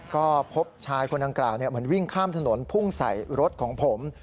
ก็พบชายคนดังกล่าวเหมือนวิ่งข้ามถนนพุ่งใส่รถของผม